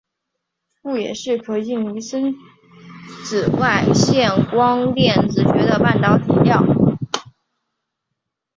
故也是可应用于深紫外线光电子学的半导体物料。